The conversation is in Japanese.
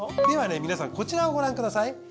ではね皆さんこちらをご覧ください。